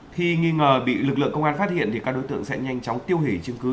khi nghi ngờ bị lực lượng công an phát hiện thì các đối tượng sẽ nhanh chóng tiêu hủy chứng cứ